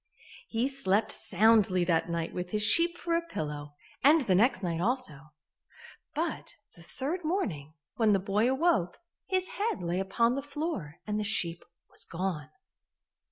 He slept soundly that night with his sheep for a pillow, and the next night also, but the third morning, when the boy awoke, his head lay upon the floor and the sheep was gone.